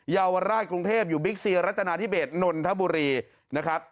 เยาวราชกรุงเทพอยู่บิ๊กเซียรัตนาธิเบสนนทบุรีนะครับ